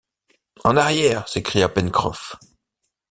En arrière! s’écria Pencroff.